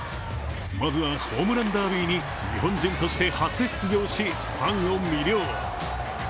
まずはホームランダービーに日本人として初出場し、ファンを魅了。